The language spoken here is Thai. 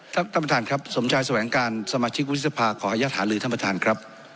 ท่านประธานครับสมชายแสวงการสมาชิกวุฒิสภาขออนุญาตหาลือท่านประธานครับ